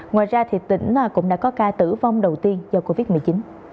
ngoài ra thì tỉnh cũng đã có ca tử vong đầu tiên do covid một mươi chín